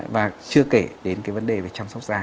và chưa kể đến cái vấn đề về chăm sóc da